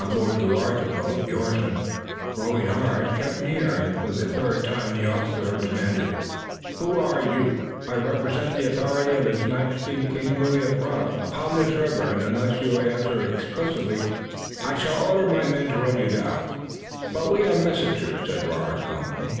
On board the larger boat the oarsmen, rowing hard, kept near, and for the third time the officer demanded: "Who are you? I represent the authority of His Majesty, King Louis of France, upon this river, and unless you answer explicitly I shall order my men to run you down." "But we are messengers," said Robert calmly.